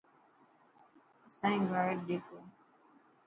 اسانئي گائڊ ڏيکو.